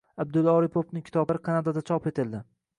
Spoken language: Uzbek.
Abdulla Oripovning kitoblari Kanadada chop etilding